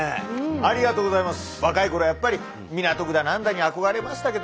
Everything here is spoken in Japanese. ありがとうございます。